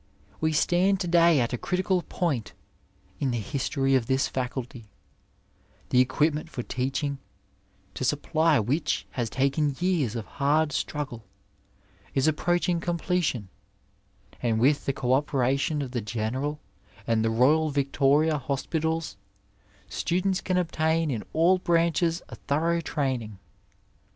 We stand to day at a critical point in the history of this faculty. The equipment for teaching, to supply which has taken years of hard struggle, is approaching completion, and with the co operation of the Gleneral and the Royal Victoria Hoepitab students can obtain in all branches a 133 Digitized by Google TEACHING AND THINKING thoiongli traiiiiiig.